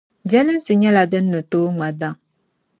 Jɛlinsi nyɛla din nitooi ŋma daŋ.